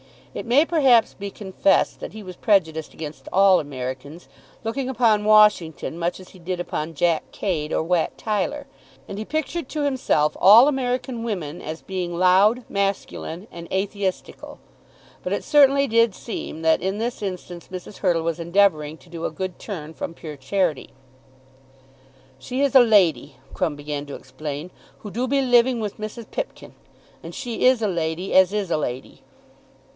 It may, perhaps, be confessed that he was prejudiced against all Americans, looking upon Washington much as he did upon Jack Cade or Wat Tyler; and he pictured to himself all American women as being loud, masculine, and atheistical. But it certainly did seem that in this instance Mrs. Hurtle was endeavouring to do a good turn from pure charity. "She is a lady," Crumb began to explain, "who do be living with Mrs. Pipkin; and she is a lady as is a lady."